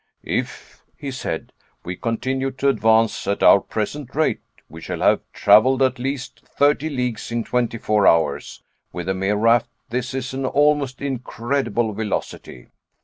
"If," he said, "we continue to advance at our present rate, we shall have traveled at least thirty leagues in twenty four hours. With a mere raft this is an almost incredible velocity."